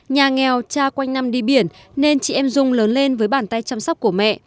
nhà nghèo cha quanh năm đi biển nên chị em dung lớn lên với bàn tay chăm sóc của mẹ